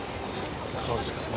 そうですか。